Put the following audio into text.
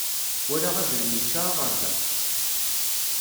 Walaɣ azrem yečča aɣerda.